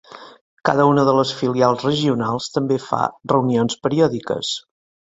Cada una de les filials regionals també fa reunions periòdiques.